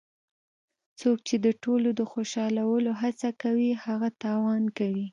څوک چې د ټولو د خوشحالولو هڅه کوي هغه تاوان کوي.